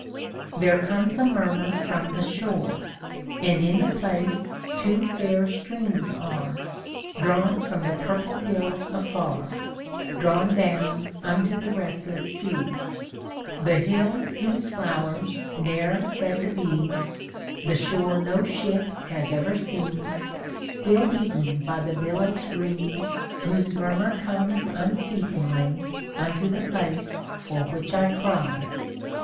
A DAY WITH WILLIAM MORRIS. There comes a murmur from the shore, And in the place two fair streams are, Drawn from the purple hills afar, Drawn down unto the restless sea ; The hills whose flowers ne*er fed the bee, The shore no ship has ever seen. Still beaten by the billows green Whose murmur comes unceasingly Unto the place for which I cry.